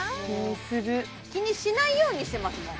気にする気にしないようにしてます